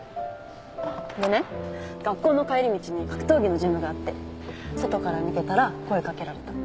でね学校の帰り道に格闘技のジムがあって外から見てたら声掛けられた。